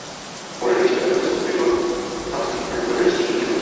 পরের দিন ঠিকাদার তাঁদের ছত্তিশগড়ের রাজধানী রায়পুরের রেলওয়ে স্টেশনে নিয়ে যায়।